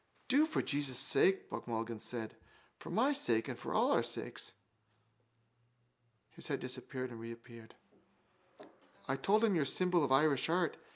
—Do, for Jesus' sake, Buck Mulligan said. For my sake and for all our sakes. His head disappeared and reappeared. —I told him your symbol of Irish art.